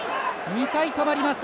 ２回、止まりますと